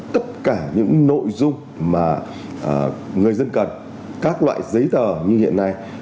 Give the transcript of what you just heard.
tất cả những nội dung mà người dân cần các loại giấy tờ như hiện nay